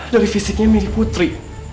dari fisiknya mirip putri